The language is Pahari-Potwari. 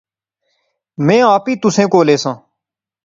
میں آپی تسیں کول ایساں